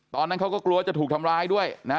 ตอนนั้นเขาก็กลัวจะถูกทำร้ายด้วยนะ